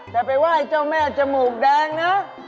แต่ไปไหว้เจ้าแม่จมูกแดงนะ